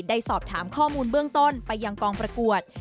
ได้สอบถามข้อมูลเบื้องต้นไปยังกองประกวด